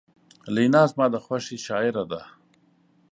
لینا زما د خوښې شاعره ده